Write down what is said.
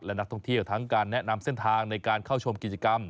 และนักท่องเที่ยวทั้งการแนะนำเส้นทางในการเข้าชมกิจกรรม